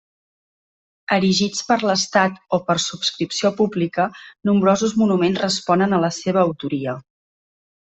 Erigits per l'Estat o per subscripció pública, nombrosos monuments responen a la seva autoria.